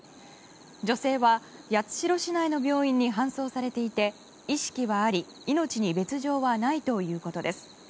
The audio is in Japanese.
女性は八代市内の病院に搬送されていて意識はあり命に別条はないということです。